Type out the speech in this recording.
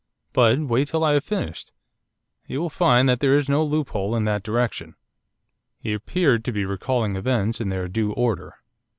But wait till I have finished. You will find that there is no loophole in that direction.' He appeared to be recalling events in their due order.